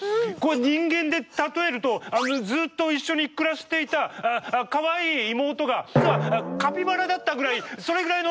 人間で例えるとずっと一緒に暮らしていたかわいい妹が実はカピバラだったぐらいそれぐらいのびっくりですよ。